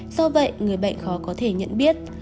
do vậy người bệnh khó có thể nhận biết